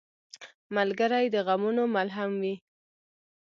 ملګری د غمونو ملهم وي.